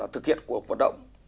thực hiện cuộc vận động